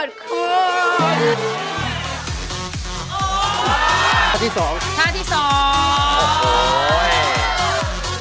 ท่าที่๒ค่ะท่าที่๒ค่ะโอ้โห